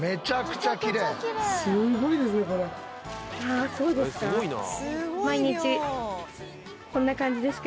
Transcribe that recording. あっそうですか？